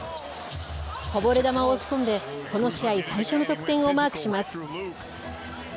こぼれ球を押し込んで、この試合最初の得点をマークします。